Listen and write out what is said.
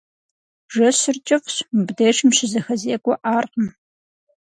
Жэщыр кӏыфӏщ, мыбдежым щызэхэзекӏуэӏаркъым.